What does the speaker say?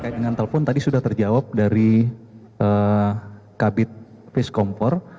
dengan telepon tadi sudah terjawab dari kabit vizkompor